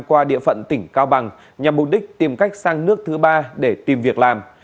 qua địa phận tỉnh cao bằng nhằm mục đích tìm cách sang nước thứ ba để tìm việc làm